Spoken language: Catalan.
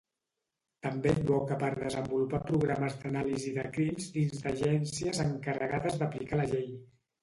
També advoca per desenvolupar programes d'anàlisi de crims dins d'agències encarregades d'aplicar la llei.